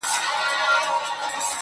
لکه د خپلې مينې «هو» چي چاته ژوند ورکوي~